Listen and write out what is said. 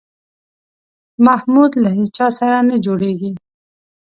محمود له هېچا سره نه جوړېږي.